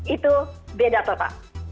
itu beda total